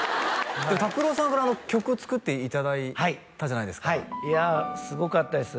ＴＡＫＵＲＯさんから曲作っていただいたじゃないですかいやすごかったです